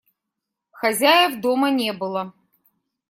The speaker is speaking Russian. Хозяев дома не было.